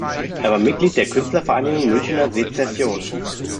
Er war Mitglied der Künstlervereinigung Münchner Sezession.